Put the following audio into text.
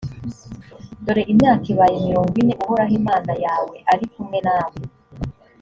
dore imyaka ibaye mirongo ine uhoraho imana yawe ari kumwe nawe